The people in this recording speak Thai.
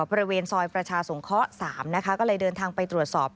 บริเวณซอยประชาสงเคราะห์๓นะคะก็เลยเดินทางไปตรวจสอบ